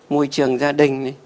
môi trường gia đình